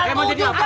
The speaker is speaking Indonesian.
gak tau juga